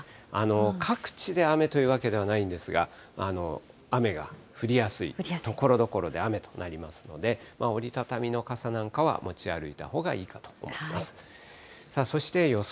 各地で雨というわけではないんですが、雨が降りやすい、ところどころで雨となりますので、折り畳みの傘なんかは持ち歩いたほうがいいかと思います。